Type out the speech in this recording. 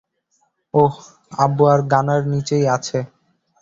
ওহ, আব্বু আর গানার নিচেই আছে।